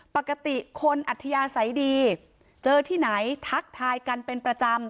ปกติคนอัธยาศัยดีเจอที่ไหนทักทายกันเป็นประจำ